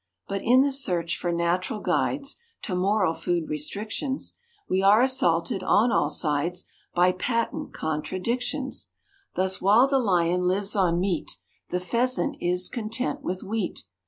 = But in the search for Natural guides `To moral food restrictions, We are assaulted on all sides `By patent contradictions. Thus, while the Lion lives on meat, The Pheasant is content with wheat.